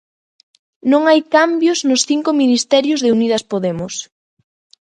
Non hai cambios nos cinco ministerios de Unidas Podemos.